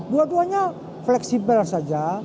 dua duanya fleksibel saja